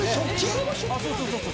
そうそうそうそうそう。